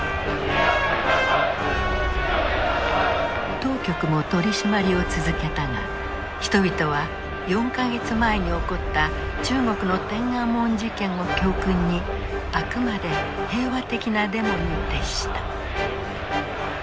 当局も取締りを続けたが人々は４か月前に起こった中国の天安門事件を教訓にあくまで平和的なデモに徹した。